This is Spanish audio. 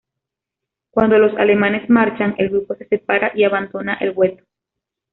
Cuando los alemanes marchan, el grupo se separa y abandonan el gueto.